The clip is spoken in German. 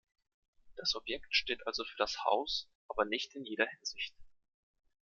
Das Objekt steht also für das Haus, aber nicht in jeder Hinsicht.